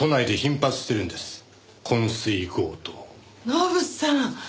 ノブさん